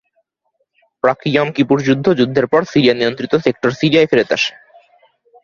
প্রাক-ইয়ম কিপুর যুদ্ধ যুদ্ধের পর সিরিয়া-নিয়ন্ত্রিত সেক্টর সিরিয়ায় ফিরে আসে।